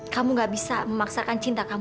kamu gak bisa memaksakan cinta kamu